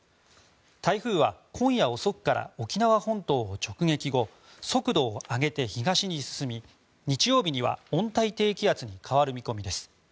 台風は今夜遅くから沖縄本島を直撃後速度を上げて、東に進み日曜日には温帯低気圧に変わる見込みです。